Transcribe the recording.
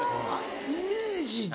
イメージで？